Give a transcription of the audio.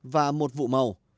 và một vụ màu